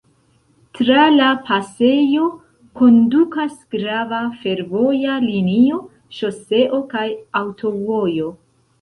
Tra la pasejo kondukas grava fervoja linio, ŝoseo kaj aŭtovojo.